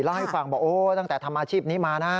ลายฟังบอกตั้งแต่ทำอาชีพนี้มานะ